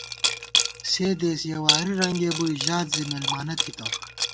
سے دېس یَہ واری رنگے بُوئی، ژات زِی مېلمانہ تھِتہ